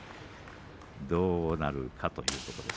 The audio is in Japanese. どうなるかというところです。